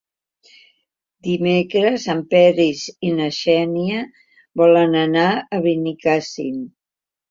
Dimecres en Peris i na Xènia volen anar a Benicàssim.